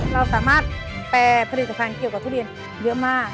เราสามารถแปรผลิตภัณฑ์เกี่ยวกับทุเรียนเยอะมาก